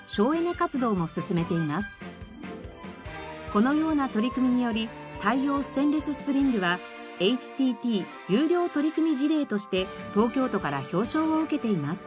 このような取り組みにより大陽ステンレススプリングは「ＨＴＴ優良取組事例」として東京都から表彰を受けています。